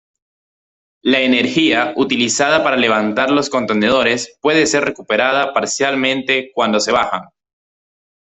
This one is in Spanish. La energía utilizada para levantar los contenedores puede ser recuperada parcialmente cuando se bajan.